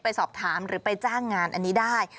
ไปสอบถามหรือไปจ้างงานอันนี้ได้